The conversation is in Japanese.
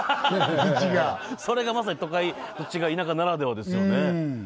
道がそれがまさに都会と違い田舎ならではですよね